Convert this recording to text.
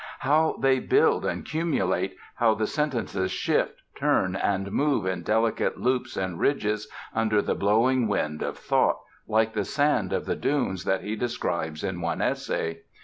How they build and cumulate, how the sentences shift, turn and move in delicate loops and ridges under the blowing wind of thought, like the sand of the dunes that he describes in one essay.